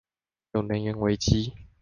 有能源危機